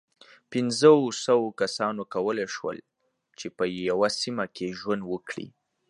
پينځو سوو کسانو کولی شول، چې په یوه سیمه کې ژوند وکړي.